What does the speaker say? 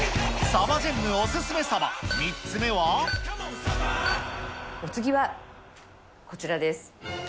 サバジェンヌお勧めサバ、お次はこちらです。